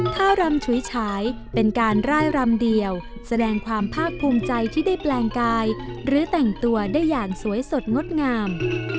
รำฉุยฉายเป็นการร่ายรำเดียวแสดงความภาคภูมิใจที่ได้แปลงกายหรือแต่งตัวได้อย่างสวยสดงดงาม